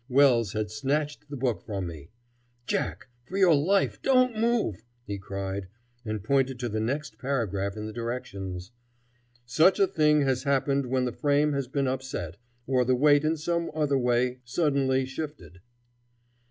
Wells had snatched the book from me. "Jack! for your life don't move!" he cried, and pointed to the next paragraph in the directions: "Such a thing has happened when the frame has been upset, or the weight in some other way suddenly shifted."